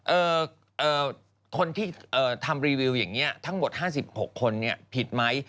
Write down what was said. เอ่อเอ่อคนที่เอ่อทำรีวิวอย่างเงี้ยทั้งหมดห้าสิบหกคนเนี้ยผิดไหม